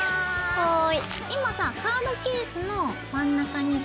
はい。